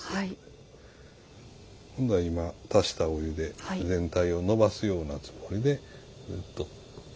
今足したお湯で全体をのばすようなつもりでずっと。